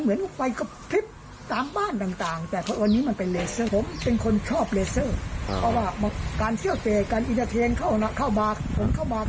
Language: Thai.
เอาจริงนะเขาก็ไม่ได้ผิดอะไรคุณ